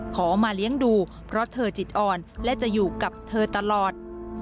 ขอมาเลี้ยงดูเพราะเธอจิตอ่อนและจะอยู่กับเธอตลอด